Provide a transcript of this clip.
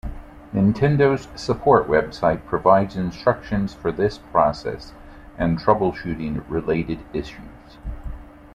Nintendo's support website provides instructions for this process and troubleshooting related issues.